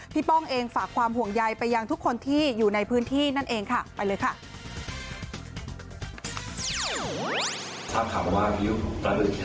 ป้องเองฝากความห่วงใยไปยังทุกคนที่อยู่ในพื้นที่นั่นเองค่ะไปเลยค่ะ